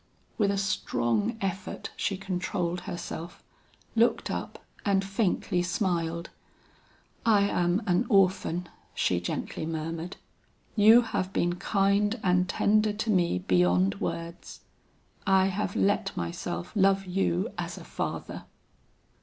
With a strong effort she controlled herself, looked up and faintly smiled. "I am an orphan," she gently murmured; "you have been kind and tender to me beyond words; I have let myself love you as a father."